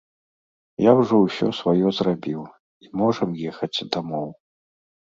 Я ўжо ўсё сваё зрабіў, і можам ехаць дамоў.